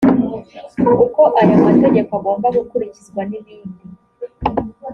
uko aya mategeko agomba gukurikizwa n ibindi